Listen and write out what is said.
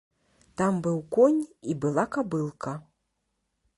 Там быў конь і была кабылка.